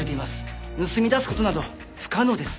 盗み出す事など不可能です。